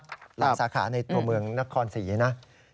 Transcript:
หลายสาขาในตัวเมืองนครศรีนะ